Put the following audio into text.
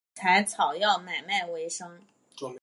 以上山采草药买卖为生。